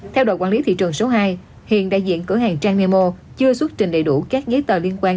theo đội quản lý thị trường số hai hiện đại diện cửa hàng trang nemo chưa xuất trình đầy đủ các giấy tờ liên quan